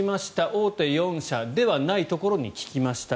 大手４社ではないところに聞きました。